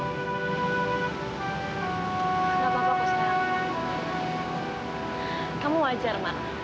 aku sangat berpikir